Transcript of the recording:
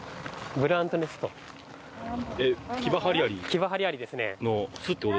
キバハリアリですね